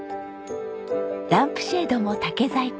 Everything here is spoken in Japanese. ランプシェードも竹細工。